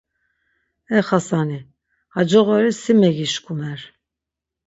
E Xasani, ha coğori si megişkumer.